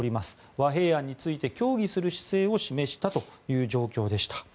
和平案について協議する姿勢を示したという状況でした。